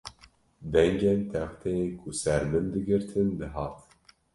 Dengên texteyên ku ser min digirtin dihat